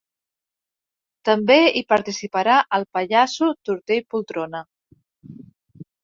També hi participarà el pallasso Tortell Poltrona.